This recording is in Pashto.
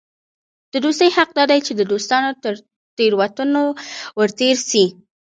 د دوستي حق دا دئ، چي د دوستانو تر تېروتنو ور تېر سې.